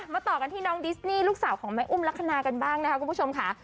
ต่อกันที่น้องดิสนี่ลูกสาวของแม่อุ้มลักษณะกันบ้างนะคะคุณผู้ชมค่ะ